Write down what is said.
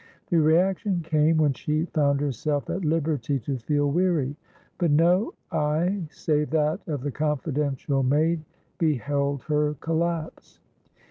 The reaction came when she found herself at liberty to feel weary, but no eye save that of the confidential maid beheld her collapse.